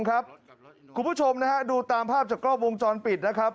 คุณผู้ชมนะฮะดูตามภาพจากกล้อวงจรปิดนะครับ